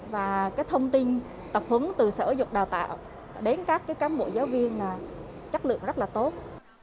và thông tin tập huấn từ sở dục đào tạo đến các bộ giáo viên chất lượng rất tốt